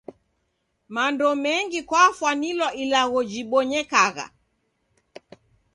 Mando mengi kwafwanilwa ilagho jibonyekagha.